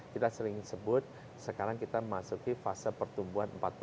kita sering sebut sekarang kita masuk ke fase pertumbuhan empat puluh tahun ke dua